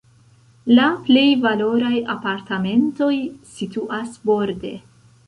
La plej valoraj apartamentoj situas borde.